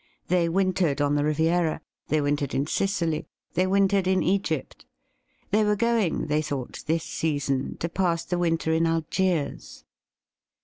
They wintered on the Riviera, they wintered in Sicily, they wintered in Egypt. They were going, they thought, this season to pass the winter in Algiers.